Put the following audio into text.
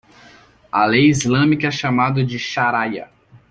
A lei islâmica é chamada de shariah.